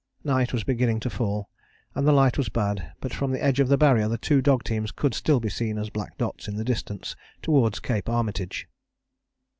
Night was beginning to fall, and the light was bad, but from the edge of the Barrier the two dog teams could still be seen as black dots in the distance towards Cape Armitage.